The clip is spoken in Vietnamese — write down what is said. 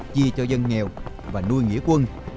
vì cho dân nghèo và nuôi nghĩa quân